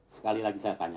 sekali lagi saya tanya